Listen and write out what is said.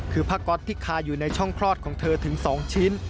คือผ้าก๊อตที่คาอยู่ในช่องคลอดของเธอถึง๒ชิ้น